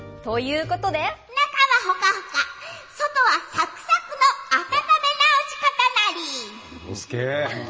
中はほかほか外はサクサクの温め直し方ナリ！